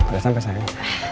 udah sampe sayang